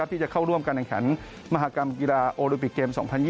ที่จะเข้าร่วมการแข่งขันมหากรรมกีฬาโอลิมปิกเกม๒๐๒๐